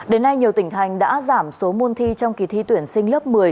đến nay nhiều tỉnh thành đã giảm số môn thi trong kỳ thi tuyển sinh lớp một mươi